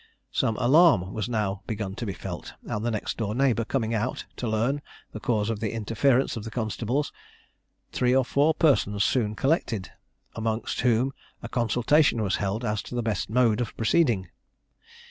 Some alarm was now begun to be felt, and the next door neighbour coming out, to learn the cause of the interference of the constables, three or four persons soon collected, amongst whom a consultation was held as to the best mode of proceeding.